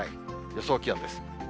予想気温です。